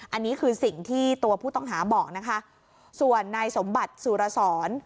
อันนี้คือสิ่งที่ตัวผู้ต้องหาบอกนะคะส่วนนายสมบัติสุรสร